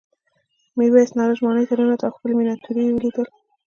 میرويس نارنج ماڼۍ ته ورننوت او ښکلې مېناتوري یې ولیدل.